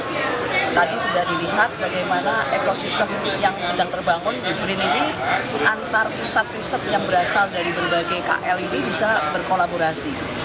dan tadi sudah dilihat bagaimana ekosistem yang sedang terbangun di brin ini antar pusat riset yang berasal dari berbagai kl ini bisa berkolaborasi